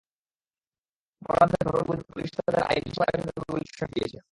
অপরাধের ধরন বুঝে পুলিশ তাঁদের আইনি সহায়তা দেবে বলে আশ্বাস দিয়েছে।